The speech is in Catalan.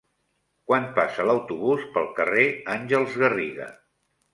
Quan passa l'autobús pel carrer Àngels Garriga?